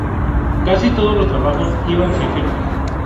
Casi todos los trabajos iban sin firmas.